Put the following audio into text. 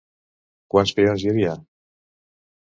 Quants peons hi havia?